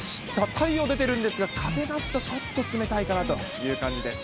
太陽出てるんですが、風があってちょっと冷たいかなという感じです。